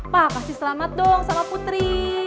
pak kasih selamat dong sama putri